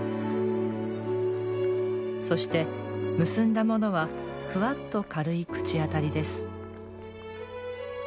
そして、結んだものはふわっと軽い口当たりです。